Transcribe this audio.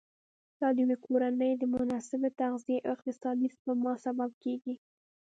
دا د یوې کورنۍ د مناسبې تغذیې او اقتصادي سپما سبب کېږي.